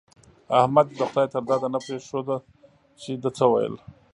احمد دې د خدای تر داده نه پرېښود چې ده څه ويل.